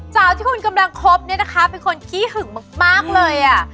สาวที่คุณกำลังคบเนี่ยนะคะเป็นคนขี้หึงมากเลยอ่ะ